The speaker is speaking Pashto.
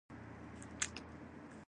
آیا د حقابې موضوع مهمه ده؟